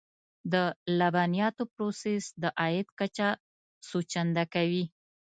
د لبنیاتو پروسس د عاید کچه څو چنده کوي.